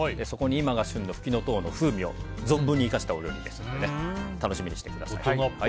そこに今が旬のフキノトウの風味を存分に生かしたお料理なので楽しみにしてください。